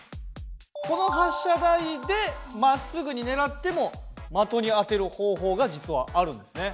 この発射台でまっすぐにねらっても的に当てる方法が実はあるんですね。